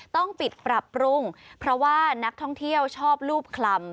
ต้องปิดปรับปรุงเพราะว่านักท่องเที่ยวชอบรูปคลำ